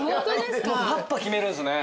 パッと決めるんすね。